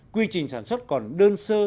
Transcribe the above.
quy trình sản xuất còn đơn sơ